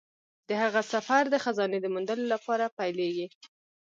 د هغه سفر د خزانې د موندلو لپاره پیلیږي.